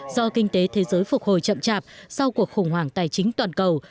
do kinh tế thế giới phục hồi chậm chạp sau cuộc khủng hoảng tài chính toàn cầu